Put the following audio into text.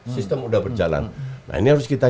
sistem sudah berjalan nah ini harus kita